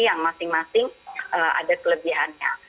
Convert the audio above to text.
yang masing masing ada kelebihannya